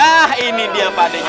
nah ini dia pak d nya